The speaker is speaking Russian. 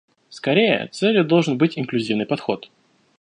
Скорее, целью должен быть инклюзивный подход.